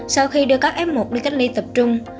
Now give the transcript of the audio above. sau khi đưa các f một đi cách ly tập trung